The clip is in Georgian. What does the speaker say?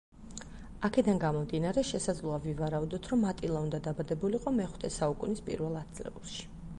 აქედან გამომდინარე, შესაძლოა ვივარაუდოთ, რომ ატილა უნდა დაბადებულიყო მეხუთე საუკუნის პირველ ათწლეულში.